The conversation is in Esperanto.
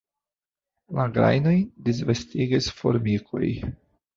La grajnojn disvastigas formikoj.